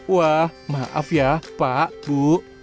wah maaf ya pak bu